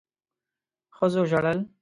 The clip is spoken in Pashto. ښځو ژړل.